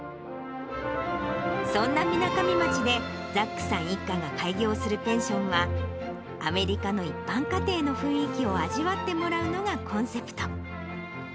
そんなみなかみ町で、ザックさん一家が開業するペンションは、アメリカの一般家庭の雰囲気を味わってもらうのがコンセプト。